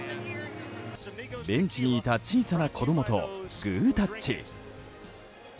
ベンチにいた小さな子供とグータッチ。